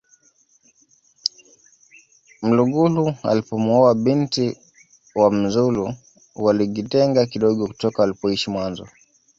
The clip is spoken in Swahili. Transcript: mlugulu alipomuoa binti wa mzulu waligitenga kidogo kutoka walipoishi mwanzo